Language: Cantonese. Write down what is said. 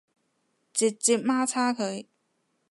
直接媽叉佢